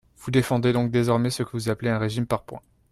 Vous défendez donc désormais ce que vous appelez un régime par points.